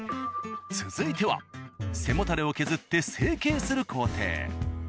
続いては背もたれを削って成形する工程へ。